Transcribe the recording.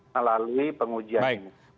melalui pengujian ini